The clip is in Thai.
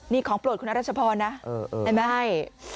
นี่ของโปรดคุณอรัชพรนะได้มั้ย